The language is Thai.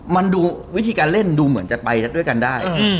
มันดูวิธีการเล่นดูเหมือนจะไปด้วยกันได้